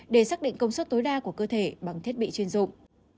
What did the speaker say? để xác định công suất tối đa của cơ thể bằng thiết bị chuyên dụng